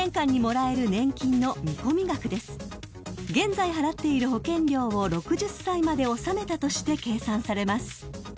［現在払っている保険料を６０歳まで納めたとして計算されます］